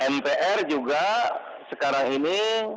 mpr juga sekarang ini